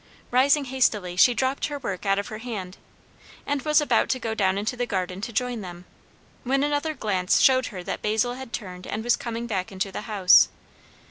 Rising hastily, she dropped her work out of her hand, and was about to go down into the garden to join them, when another glance showed her that Basil had turned and was coming back into the house.